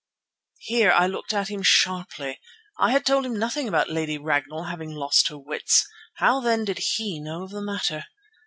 Here I looked at him sharply. I had told him nothing about Lady Ragnall having lost her wits. How then did he know of the matter?